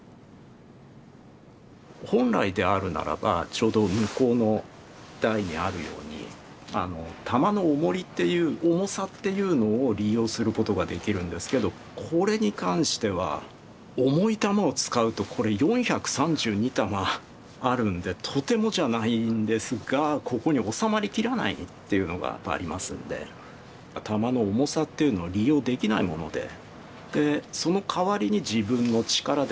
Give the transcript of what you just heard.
本来であるならばちょうど向こうの台にあるように玉のおもり重さっていうのを利用することができるんですけどこれに関しては重い玉を使うとこれ４３２玉あるんでとてもじゃないんですがここに収まりきらないっていうのがありますので玉の重さっていうのを利用できないものでそのかわりに自分の力で締めていく。